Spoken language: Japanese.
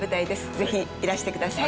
ぜひ、いらしてください。